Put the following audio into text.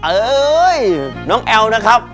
เอ้ยน้องแอลนะครับ